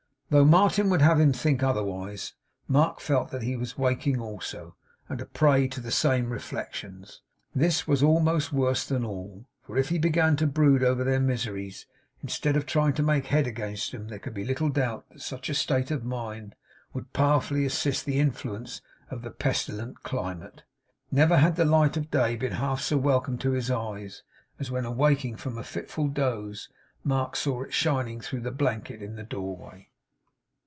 Though Martin would have had him think otherwise, Mark felt that he was waking also, and a prey to the same reflections. This was almost worse than all, for if he began to brood over their miseries instead of trying to make head against them there could be little doubt that such a state of mind would powerfully assist the influence of the pestilent climate. Never had the light of day been half so welcome to his eyes, as when awaking from a fitful doze, Mark saw it shining through the blanket in the doorway.